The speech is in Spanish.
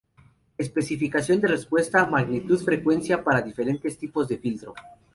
Especificación de respuesta Magnitud Frecuencia para diferentes tipos de filtro.